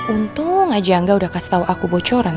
untung aja enggak udah kasih tau aku bocoran